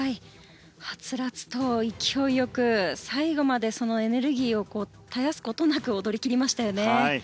はつらつと勢いよく最後までそのエネルギーを絶やすことなく踊り切りましたよね。